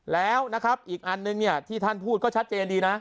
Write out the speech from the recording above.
แล้วนะครับอีกอันนึงเนี่ยที่ท่านพูดก็ชัดเจนดีนะ